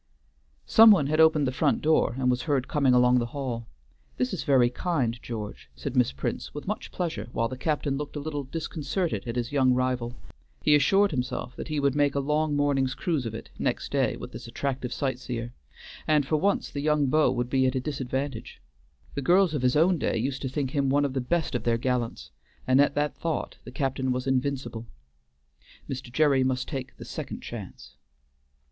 Some one had opened the front door, and was heard coming along the hall. "This is very kind, George," said Miss Prince, with much pleasure, while the captain looked a little disconcerted at his young rival; he assured himself that he would make a long morning's cruise of it, next day, with this attractive sightseer, and for once the young beaux would be at a disadvantage; the girls of his own day used to think him one of the best of their gallants, and at this thought the captain was invincible. Mr. Gerry must take the second chance.